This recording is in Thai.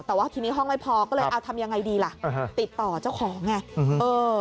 แต่ว่าทีนี้ห้องไม่พอก็เลยเอาทำยังไงดีล่ะติดต่อเจ้าของไงเออ